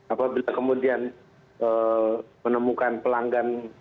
apabila kemudian menemukan pelanggan